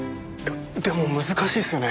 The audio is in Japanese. でも難しいですよね？